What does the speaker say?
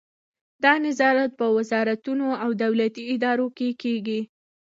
دا نظارت په وزارتونو او دولتي ادارو کې کیږي.